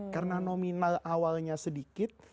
karena nominal awalnya sedikit